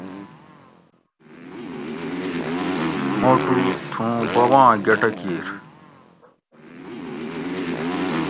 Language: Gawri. موٹو تھوں بوباں گٹہ کیر